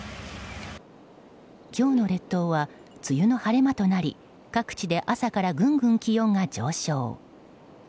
今日の列島は梅雨の晴れ間となり各地で朝からぐんぐん気温が上昇。